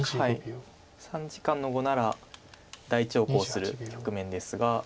３時間の碁なら大長考する局面ですが。